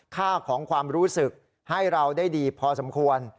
ค่าของความรู้สึกให้เราได้ดีพอสมควร